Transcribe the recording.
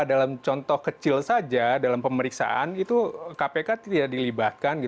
dalam contoh kecil saja dalam pemeriksaan itu kpk tidak dilibatkan